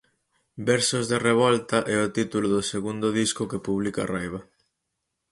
Versos de Revolta é o título do segundo disco que publica Raiba.